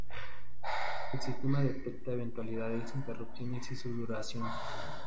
El sistema detecta eventuales interrupciones y su duración.